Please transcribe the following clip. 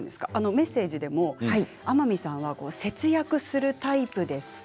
メッセージでも天海さんは節約するタイプですか？